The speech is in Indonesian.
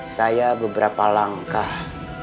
saya beberapa langkah